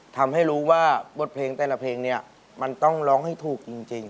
ทำให้รู้ว่าบทเพลงแต่ละเพลงเนี่ยมันต้องร้องให้ถูกจริง